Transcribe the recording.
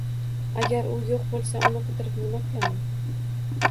Agar u yo`q bo`lsa, uni qidirib nima qilaman